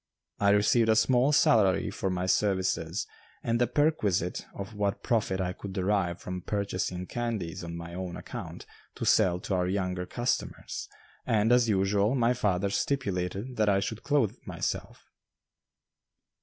I received a small salary for my services and the perquisite of what profit I could derive from purchasing candies on my own account to sell to our younger customers, and, as usual, my father stipulated that I should clothe myself.